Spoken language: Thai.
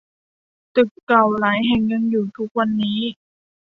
ตึกเก่าหลายแห่งยังอยู่ทุกวันนี้